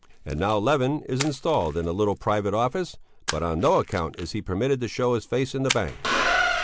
And now Levin is installed in a little private office; but on no account is he permitted to show his face in the bank.